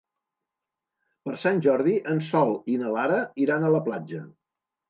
Per Sant Jordi en Sol i na Lara iran a la platja.